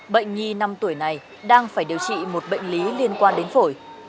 bệnh nhi năm tuổi này đang phải điều trị một bệnh lý liên quan đến phổi